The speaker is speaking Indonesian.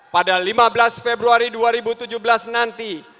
pada lima belas februari dua ribu tujuh belas nanti